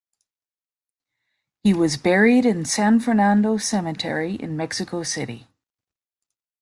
He was buried in San Fernando Cemetery in Mexico City.